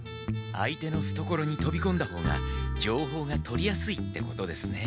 相手のふところにとびこんだ方がじょうほうが取りやすいってことですね。